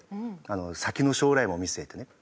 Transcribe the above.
先の将来も見据えてね。